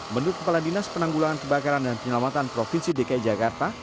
menurut kepala dinas penanggulangan kebakaran dan penyelamatan provinsi dki jakarta